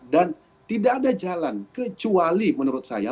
dan tidak ada jalan kecuali menurut saya